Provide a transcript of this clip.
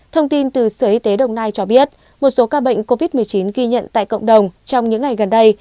thông tin từ sở y tế đồng nai cho biết một số ca bệnh covid một mươi chín ghi nhận tại cộng đồng trong những ngày gần đây